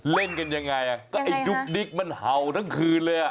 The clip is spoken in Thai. เล่นกันยังไงก็ไอ้ดุ๊กดิ๊กมันเห่าทั้งคืนเลยอ่ะ